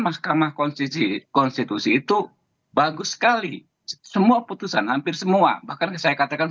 mahkamah konstitusi itu bagus sekali semua putusan hampir semua bahkan saya katakan